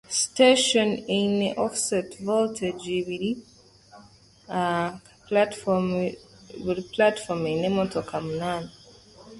This station has two offset high-level side platforms each eight cars long.